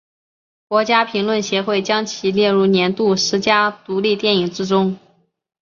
国家评论协会将其列入年度十佳独立电影之中。